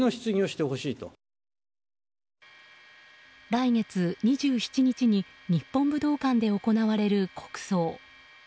来月２７日に日本武道館で行われる国葬。